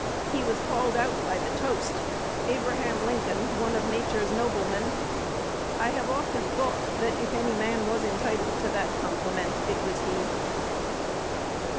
He was called out by the toast, 'Abraham Lincoln, one of Nature's noblemen.' I have often thought, that, if any man was entitled to that compliment, it was he."